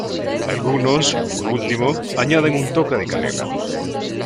Algunos, por último, añaden un toque de canela.